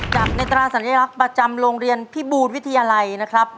ในตราสัญลักษณ์ประจำโรงเรียนพิบูรวิทยาลัยนะครับ